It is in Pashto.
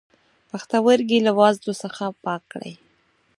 پښتورګی له وازدو څخه پاک کړئ.